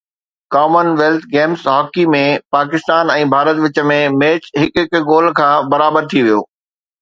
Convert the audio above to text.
ڪمن wealth games hockey ۾ Pakistan ۽ Bharat وچ ۾ match هڪ هڪ گول تان برابر ٿي ويو